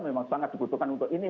memang sangat dibutuhkan untuk ini